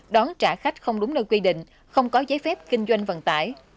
đón trả khách không đúng nơi quy định không có giấy phép kinh doanh vận tải